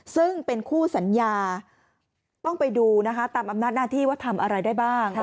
ซึ่งเป็นคู่สัญญาต้องไปดูนะคะตามอำนาจหน้าที่ว่าทำอะไรได้บ้าง